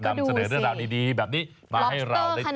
นำเสนอเรื่องราวดีแบบนี้มาให้เราได้ชม